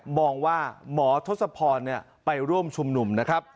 มองว่าหมอทศพรไปร่วมชมหนุ่ม